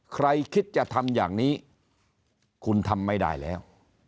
ใครคิดจะทำอย่างนี้คุณทำไม่ได้แล้ว